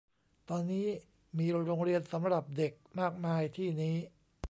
ตอนนี้มีโรงเรียนสำหรับเด็กมากมายที่นี้